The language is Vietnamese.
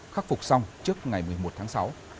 khắc phục xong trước ngày một mươi một tháng sáu